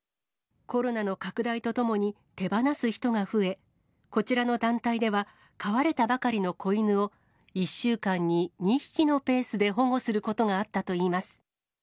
コロナの拡大とともに手放す人が増え、こちらの団体では、飼われたばかりの子犬を１週間に２匹のペースで保護することがあったといいます。